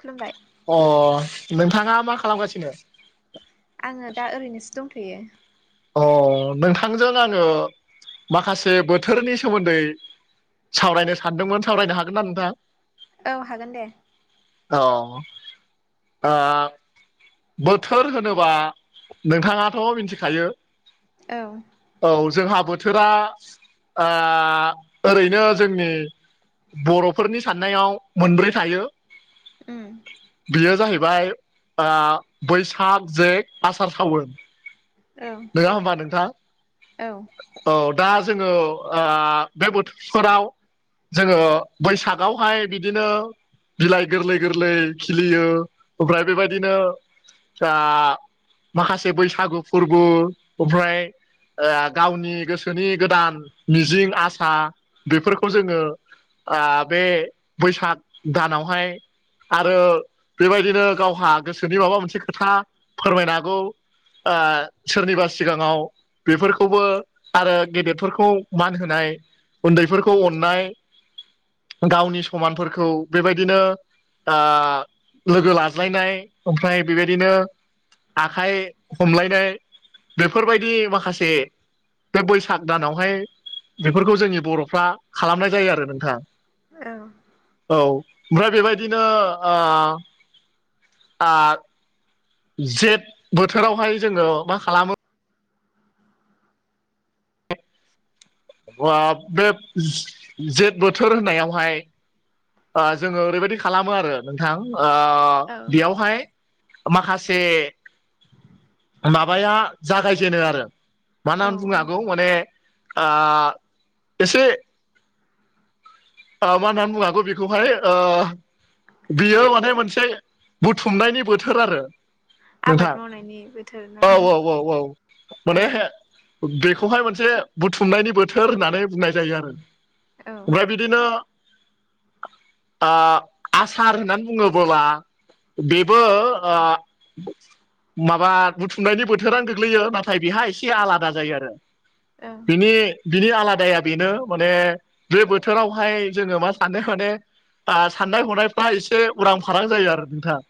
खुलुमबाय अ 'नोंथाङा मा खालामगासिनो आङो दा ओरै नोसो दंथ'यो अ 'नोंथांजों आङो माखासे बोथोरनि सोमोन्दै सावरायनो सानदोंमोन सावरायनो हागोनना नोंथां औ हागोन दे औ आ बोथोर होनोबा नोंथाङाथ' मिथिखायो औ औ जोंहा बोथोरा आ ओरैनो जोंनि बर'फोरनि साननायाव मोनब्रै थायो उम बेयो जाहैबाय आ बैसाग जेथ आसार सावोन औ नोंङा हबा नोंथां औ औ दा जोङो बे बोथोरफोराव जोङो बैसागावहाय बिदिनो बिलाइ गोरलै गोरलै खिलियो ओमफ्राय बेबायदिनो माखासे बैसागु फोरबो ओमफ्राय गावनि गोसोनि गोदान मिजिं आसा बेफोरखौ जोङो बे बैसाग दानावहाय आरो बेबायदिनो गावहा गोसोनि माबा मोनसे खोथा फोरमायनो हागौ सोरनिबा सिगाङाव बेफोरखौबो आरो गेदेरफोरखौ मान होनाय उन्दैफोरखौ अननाय गावनि समानफोरखौ बेबायदिनो लोगो लाज्लायनाय ओमफ्राय बेबायदिनो आखाइ हमलायनाय बेफोरबायदि माखासे बे बैसाग दानावहाय बेफोरखौ जोंनि बर'फ्रा खालामनाय जायो आरो नोंथां। औ औ ओमफ्राय बेबायदिनो ओ आर जेथ बोथोरावहाय जोङो मा खालामो बे जेथ बोथोर होननायावहाय जोङो ओरैबायाददि खालामो आरो नोंथां औ बेयावहाय माखासे माबाया जागायजेनो आरो मानो बुंनो औ हागौ माने आ एसे मा होननानै बुंनो हागौ बेखौहाय ओ बियो माने मोनसे बुथुमनायनि बोथोर आरो आबाद नोंथां मावनायनि बोथोर ना औ औ औ औ औ माने बेखौहाय मोनसे बुथुमनायनि बोथोर होननानै बुंनाय जायो आरो। औ ओमफ्राय बिदिनो आसार होननानै बुङोबोला बेबो ओ माबा बुथुमनायनि बोथोरानो गोग्लैयो नाथाय बेहा एसे आलादा जायो आरो औं बिनि आलादाया बेनो माने बे बोथोरावहाय जोङो मा सानो माने साननाय हनायफ्रा एसे उरां फारां जायो आरो नोंथाङा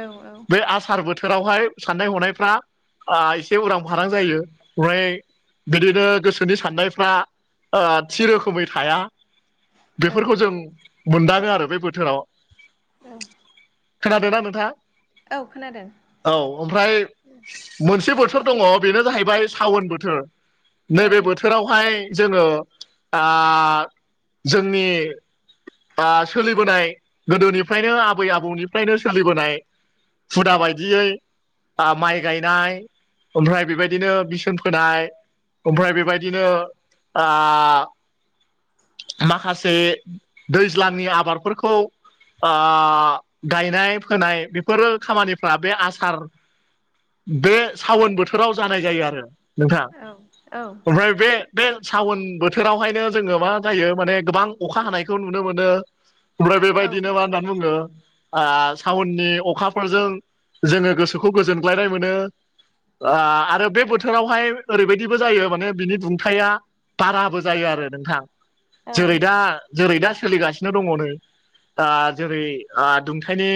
औ बे आसार बोथोर बोथोरावहाय साननाय हनायफ्रा एसे उरां फारां जायो ओमफ्राय बिदिनो गोसोनि साननायफ्रा थि रोखोमै थाया औ बेफोरखौ जों मोनदाङो आरो बे बोथोराव [unintelligible] खोनादों ना नोंथाङा औ खोनादों औ ओमफ्राय मोनसे बोथोर दङ बेनो जाहैबाय सावोन बोथोर औ नैबे बोथोर बोथावहाय जोङो आ जोंनि सोलिबोनाय गोदोनिफ्रायनो आबै आबौनिफ्रायनो सोलिबोनाय हुदा बायदियै माइ गायनाय ओमफ्राय बेबायदिनो बिसोन फोनाय ओमफ्राय बेबायदिनो आ माखासे दैज्लनि आबादफोरखौ आ गायनाय फोनाय बेफोरो खामानिफ्रा बे आसार बे सावोन बोथोराव जानाय जायो आरो नोंथाङा औ औ ओमफ्राय बे बे सावोन बोथोरावहायनो जोङो मा मा जायो गोबां अखा हानायखौ नुनो मोनो ओमफ्राय औ बेबायदिनो मा होनो मा बुङो सावननि अखाफोरजों जोङो गोसोखौ गोजोनग्लायनाय मोनो। आरो बे बोथोरावहाय ओरैबायदिबो जायो माने बिनि दुंथाया बाराबो जायो आरो नोंथां जेरै दा जेरै दा सोलिगासिनो दङनो दा जेरै दुंथायनि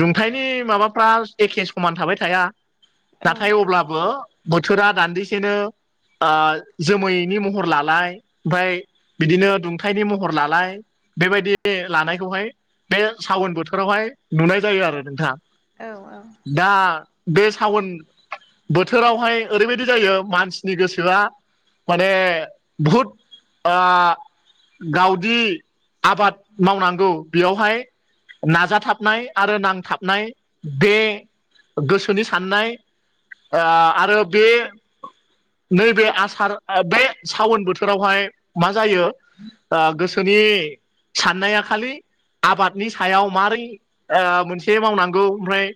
दुंथायनि माबाफ्रा एखे समान थाबाय थाया नाथाय अब्लाबो बोथोरा दान्दिसेनो जोमैनि महर लालाय ओमफ्राय बिदिनो दुंथायनि महर लालाय बेबायदि लानायखौहाय बे सावोन बोथोरावहाय नुनाय जायो आरो नोंथां औ औ दा बे सावन बोथोरावहाय ओरैबायदि जायो मानसिनि गोसोआ माने बुहुद ओ गावदि आबाद मावनांगौ बेयावहाय नाजाथाबनाय आरो नांथाबनाय बे गोसोनि साननाय आरो बे नैबे आसार बे सावोन बोथोरावहाय मा जायो ओ गोसोनि साननाया खालि आबादनि सायाव मारै मोनसे मावनांगौ ओमफ्राय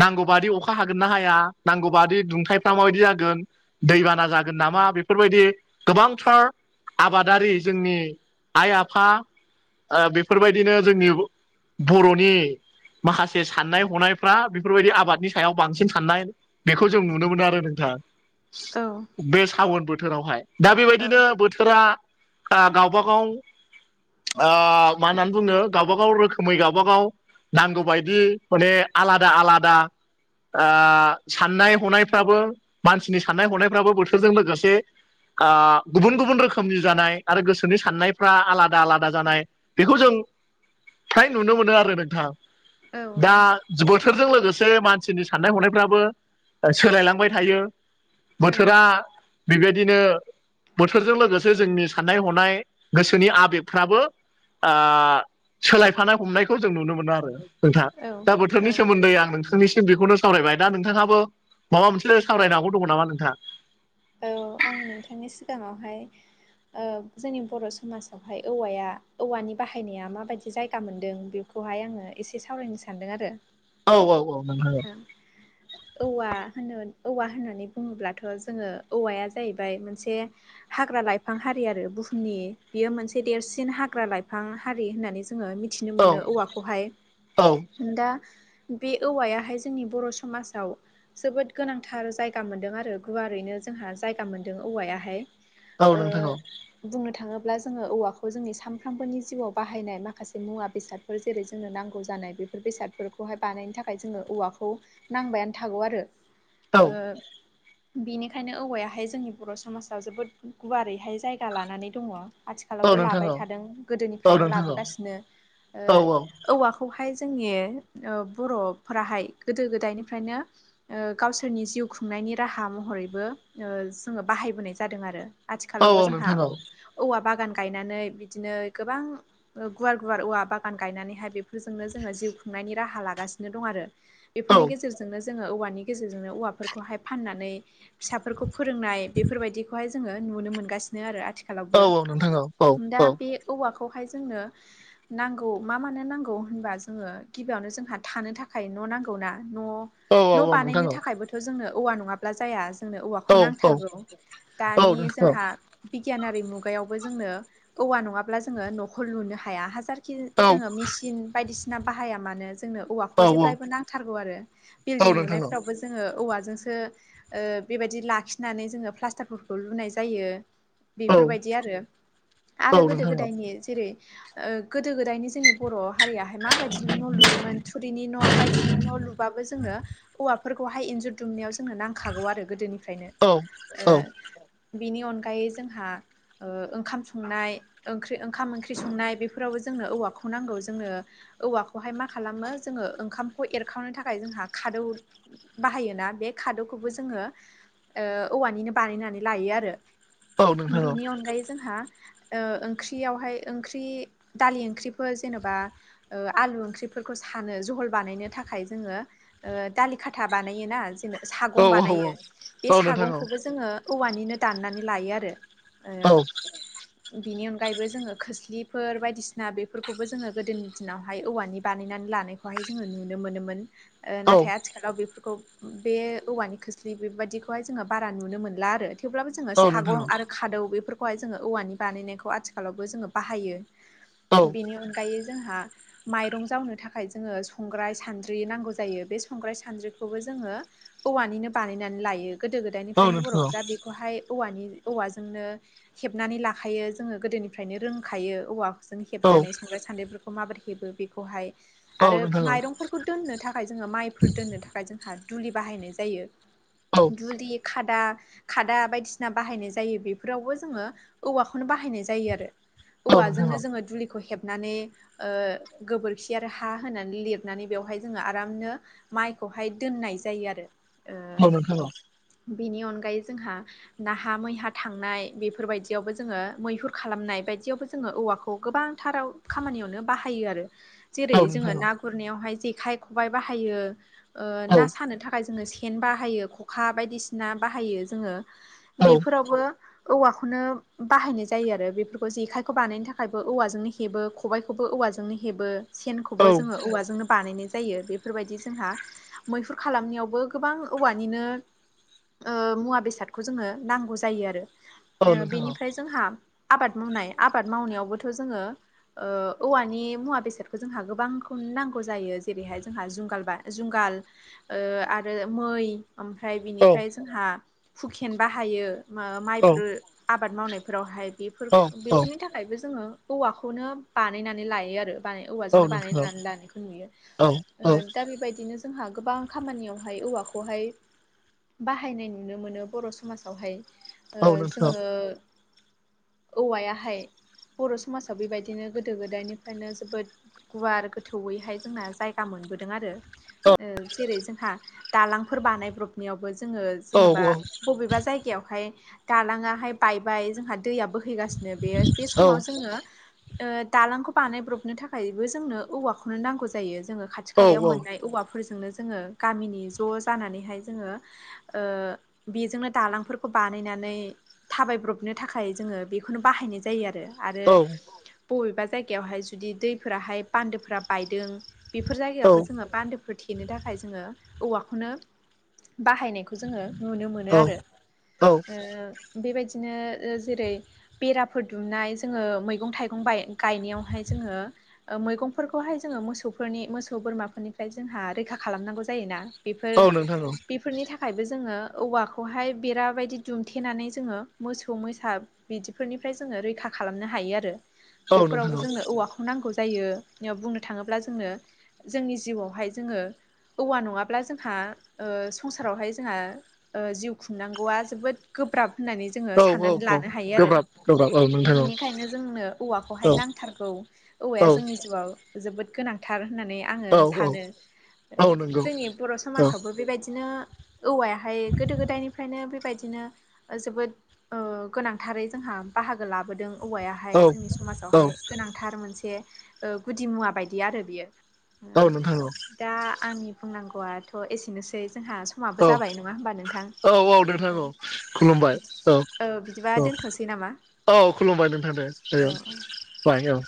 नांगौ बादि अखा हागोन ना हाया नांगौ बादि दुंथायाइफ्रा माबायदि जागोन। दैबाना जागोन नामा बेफोरबायदि गोबांथार आबादारि जोंनि आइ आफा ओ बेफोरबायदिनो जोंनि बर'नि माखासे साननाय हनायफ्रा बेफोरबायदि आबादनि सायाव बांसिन साननाय। बेखौ जों नुनो मोनो आरो नोंथां बे सावोन बोथोरावहाय दा बेबायदिनो बोथोर फोरा ओ गावबा गाव ओ मा होननानै बुङो गावबा गाव रोखोमै गावबा गाव नांगौबायदि माने आलादा आलादा ओ साननाय हनायफ्राबो मानसिनि साननाय हनायफ्राबो बोथोरजों लोगोसे गुबुन गुबुन रोखोम सोमजिजानाय आरो गोसोनि साननायफ्रा आलादा आलादा जानाय बेखौ जों फ्राय नुनो मोनो आरो नोंथाङा दा बोथोर जों लोगोसे मानसिनि साननाय हनायफ्राबो सोलायलांबाय थायो‌। बोथोरा बेबायदिनो बोथोरजों लोगो से जोंनि साननाय हनाय गोसोनि आबेगफ्राबो सोलायफानाय हमनायखौ जों नुनो मोनो आरो नोंथां औ दा बोथोरनि औ सोमोन्दै आं नोंथांनिसिम बेखौनो सावरायबाय दा नोंथाङाबो माबा मोनसे सावरायनांगौ दङ नामा नोंथा? औ आं नोंथांनि सिगाङावहाय जोंनि बर' समाजावहाय औवाया औवानि बाहायनाया माबायदि जायगा मोनदों बे खौहाय आङो एसे सावरायनो सान्दों आरो औ औ औ नोंथां औ औवा होनो औवा होननानै बुङोब्लाथ' जोङो औवाया जाहैबाय मोनसे हाग्रा लाइफां हारि आरो बुहुमनि बेयो मोनसे देरसिन हाग्रा लाइफां हारि होननानै जों जोङो मिथिनो औ मोनो औवाखौहाय औ दा बे औवाया हाय जोंनि बर' समाजाव जोबोद गोनांथार जायगा मोनदों आरो गुवारैनो जोंहा जायगा मोनदों औवायाहाय औ ओ नोंथां औ बुंनो थाङोब्ला जोङो औवाखौ जोंनि सानफ्रोमबोनि जिउआव बाहायनाय माखासे मुवा बेसाद फोर जेरै जोंनो नांगौ जानाय बेफोर बेसादफोरखौहाय बानायनो थाखाय जोङो औवाखौ नांबायानो थागौ आरो ओ बेनिखायनो औवायाहाय जोंनि बर' समाजाव जोबोद गुवारैहाय जायगा लानानै दङ। औ आथिखालावबो नोंथां लाबाय औ थादों औ गोदोनिफ्रायनो नोंथां औ लाबोगासिनो औ औवाखौ खौहाय जोंनि ओ बर'फोराहाय गोदो गोदायनिफ्रायनो ओ गावसोरनि जिउ खुंनायनि राहा महरैबो जोङो बाहायबोनाय जादों आरो औ आथिखालावबो औ जोंहा नोंथां औ औवा बागान गायनानै बिदिनो गोबां गुवार गुवार औवा बागान गायनानैहाय बेफोरजोंनो जोङो जिउ खुंनायनि राहा लागासिनो दं आरो औ बेफोरनि नोंथां औ गेजेरजोंनो जोङो औवानि गेजेरजोंनो औवाफोरखौहाय फाननानै फिसाफोरखौ फोरोंनाय बेफोरबायदिखौहाय जोङो नुनो मोनगासिनो। आरो औ आथिखालावबो औ नोंथां औ नोंथां औ नोंथां औ दा बे औवाखौहाय जोंनो नांगौ मा मानो नांगौ होनबा जोङो गिबियावनो जोंहा थानो थाखाय थाखाय न' नांगौनाा न' न' बानायनो थाखायबोथ' थ' जोंनो औवा नङाब्ला जाया जोंनो औवाखौ नांथारगौ दानि जोंहा बिगियानारि मुगायावबो जोंनो औवा नङाब्ला जोङो न'खौ लुनो हाया हाजार खि जोङो मेचन बायदिसिना बाहाया मानो जोंनो औवा खौ जेब्लायबो नांथारगौ आरो बिल्डिं लुनायफ्रावबो जोङो औवाजोंसो ओ बेबायदि लाखिनानै जोङो प्लास्टारफोरखौ लुनाय जायो। बेफोरबायदि आरो आरो गोदो नोंथां गोदायनि जेरै गोदो गोदायनि जोंनि बर' हारियाहाय माबायदि न' लुयोमोन थुरिनि न' बायदिनि न' लुबाब जोंनो औवा फोरखौहाय इन्जुर दुमनायाव जोंनो नांखागौ आरो गोदोनिफ्रायनो औ औ ओ बिनि अनगायै जोंहा ओ ओंखाम संनाय ओंख्रि ओंखाम ओंख्रि संनाय बेफोरावबो जोंनो औवाखौ नांगौ जोंनो औवाखौहाय मा खालामो जोङो ओंखामखौ एरखांनो थाखाय जोंहा खादौ बाहायोना बे खादौखौबो जोङो ओ औवानिनो बानायनानै लायो आरो औ नोंथां बेनि अनगायै जोंहा ओ ओंख्रियावहाय ओंख्रि दालि ओंख्रिफोर जेन'बा ओ आलु ओंख्रिफोरखौ सानो जहल बानायनो थाखाय जोङो ओ दालि खाथा बानायोना जेन' औ सागं औ बानायो बे औ नोंथां सागंखौबो जोङो औवानिनो दाननानै लायो आरो। ओ औ। बिनि अनगायैबो जोङो खोस्लिफोर बायदिसिना बेफोरखौबो जोङो गोदोनि दिनावहाय औवानि बानायनानै लानायखौहाय जोङो नुनो मोनोमोन ओ औ नाथाय आथि खालाव बेफोरखौ बे औवानि खोस्लि बेबायदिखौहाय जोङो बारा नुनो मोनला आरो थेवब्लाबो जों ङो औ नोंथां सागं आरो खादौ बेफोरखौहाय जोङो औवानि बानायनायखौ आथिखालावबो जोङो बाहायो। औ बेनि अनगायै जोंहा माइरं जावनो था थाखाय जोङो संग्राय सानद्रि नांगौ जायो बे संग्राय सानद्रिखौबो जोङो औवानिनो बानायनानै लायो गोदो औ गोदायनिफ्रायनो नोंथां बर'फोरा बेखौहाय औवानि औवाजोंनो हेबनानै लाखायो जोङो गोदोनिफ्रायनो रोंखायो औवा जों औ हेबनानै संग्राय सान्द्रिफोरखौ माबोरै हेबो बेखौहाय औ आरो नोंथां माइरंफोरखौ दोननो थाखाय जोङो माइफोर दोननो थाखाय जोंहा दुलि बाहायनाय जायो। औ नोंथां औ दुलि खाद दा खादा बायदिसिना बाहायनाय जायो बेफोरावबो जोङो औवाखौनो बाहायनाय जायो आरो। औ नोंथां औवाजोंनो जोङो दुलिखौ हेबनानै गोबोरखि आरो हा हा होनानै लिरनानै बेवहाय जोङो आरामनो माइखौहाय दोननाय जायो आरो। ओ औ नोंथां औ बिनि अनगायै जोंहा नाहा मैहा थांनाय बेफोरबाय दियावबो जोङो मैहुर खालामनाय बायदियावबो जोङो औवाखौ गोबांथाराव खामानियावनो बाहायो आरो जेरै जोङो ना गुरनायहाय जेखाय खबाय बाहायो ओ औ ना सानो थाखाय जोंनो से न बाहायो ख'खा बायदिसिना बाहायो जोङो औ बेफोरावबो औवाखौनो बाहायनाय जायो आरो बेफोरखौ जेखायखौ बानायनो थाखायबो औवाजोंनो हेबो। खबबायखौबो औवाजोंनो हेबो सेनखौबो जोङो नोंथां औवाजोंनो बानायनाय जायो बे फोरबायदि जोंहा मैहुर खालामनायावबो गोबां औवानिनो ओ मुवा बेसादखौ जोङो नांगौ जायो आरो औ नोंथां औ नोंथां औ बेनिफ्राय जोंहा आबाद मावनाय आबाद मावनायावबोथ' जोङो ओ औवानि मुवा बेसादखौ जोंहा गो बांखौनो नांगौ जायो जेरैहाय जोंहा जुंगाल बा जुंगाल ओ आरो मै ओमफ्राय औ बिनिफ्राय जोंहा हुखेन बाहायो मा औ नोंथां औ नोंथां औ माइफोर आबाद मावनायफोरावहाय बेफोर बेफोरनि था थाखायबो जोङो औवाखौनो बानायनानै लायो आरो बा औवाजोंनो बानाय नैलानायखौ नुयो ओ दा बेबायदिनो जोंहा गोबां खामानियावहाय औवाखौहाय बाहायनाय नुनो मोनो बर' समाजावहाय ओ जोङो औवायाहाय बर' समाजाव बेबायदिनो गोदो गोदायनिफ्रायनो जोबोद गुवार गोथौयैहाय जोंना जायगा मोनबोदों आरो। ओ जेरै जोंहा दालांफोर बानायब्रबनायावबो जोङो जेनेबा बबेबा जायगायावहाय दालाङाहाय बायबाय जोंहा दैया बोहैगासिनो बेयो बे समाव जोंङो दालांखौ बानायब्रबनो थाखाय बेबो जोंनो औवाखौनो नांगौ जायो जोंङो खाथि खालायाव मोननाय औवाफोरजोंनो जोंङो गामिनि ज' जानानैहाय जोंङो बेजोंनो दालांफोरखौ बानायनानै थाबायब्रबनो थाखाय जोंङो बेखौनो बाहायनाय जायो आरो। आरो बबेबा जायगायावहाय जुदि दैफोराहाय बान्दोफोरा बायदों बेफोर जायगायावबो जोंङो बान्दोफोर थेनो थाखाय जोंङो औवाखौनो बाहायनाय खौ जोंङो नुनो मोनो आरो बेबायदिनो जेरै बेराफोर दुमनाय जोंङो मैगं थाइगं गायनाय गायनायावहाय जोंङो मैगंफोरखौहाय जोंङो मोसौफोरनि मोसौ बोरमाफोरनिफ्राय जोंहा रैखा खालामनांगौ जायोना बेफोर बे फोरनि थाखायबो जोंङो औवाखौहाय बेराबायदि दुमथेनानै जोंङो मोसौ मोसा बिदिफोरनिफ्राय जोंङो रैखा खालामनो हायो आरो बेफोरावबो जोंनो औवाखौ नांगौ जायो बुंनो थाङोब्ला जोंनो जोंनि जिउआवहाय जोंङो औवा नङाब्ला जोंहा ओ संसारावहाय जोंहा जिउ खुंनांगौआ जोबोद गोब्राब होननानै जोंङो औ औ साननानै लानो हायो आरो। गोब्राब गोब्राब औ नोंथां औ बिनिखायनो जोंनो औवाखौहाय औ नांथारगौ औवाया औ जोंनि जिउआव जोबोद गोनां फोथार होननानै आङो औ औ सानो औ नंगौ जोंनि बर' औ समाजावबो बेबायदिनो औवायाहाय गोदो गोदायनिफ्रायनो बेबायदिनो जोबोद गोनांथारै जोंहा बाहागो लाबोदों औवायाहाय औ जोंनि औ समाजावहाय गोनांथार मोनसे गुदि मुवा बायदि आरो बियो औ नोथां औ दा आंनि बुंनांगौआथ' एसेनोसै जोंहा समाबो औ जाबाय नङा होमबा नोंथां औ औ नोंथां औ औ बिदिबा औ दोनथ'नोसै नामा औ खुलुमबाय नोंथां दे औ औ खुलुमबाय औ